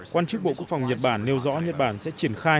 quan chức bộ quốc phòng nhật bản nêu rõ nhật bản sẽ triển khai